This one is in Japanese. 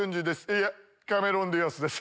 いえキャメロン・ディアスです。